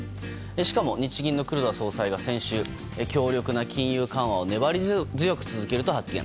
しかも日銀の黒田総裁が先週、強力な金融緩和を粘り強く続けると発言。